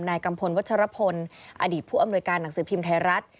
กัมพลวัชรพลอดีตผู้อำนวยการหนังสือพิมพ์ไทยรัฐ